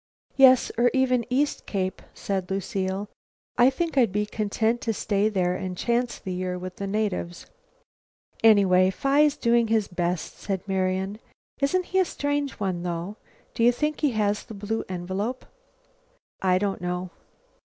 "Yes, or even East Cape," said Lucile. "I think I'd be content to stay there and chance the year with the natives." "Anyway, Phi's doing his best," said Marian. "Isn't he a strange one, though? Do you think he has the blue envelope?" "I don't know."